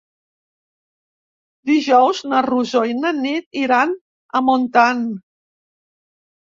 Dijous na Rosó i na Nit iran a Montant.